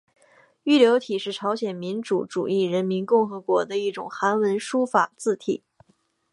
玉流体是朝鲜民主主义人民共和国的一种韩文书法字体。